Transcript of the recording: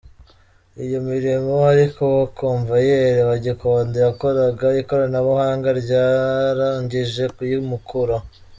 Iyo mirimo ariko uwo konvayeri wa Gikondo yakoraga, ikoranabuhanga ryarangije kuyimukuraho.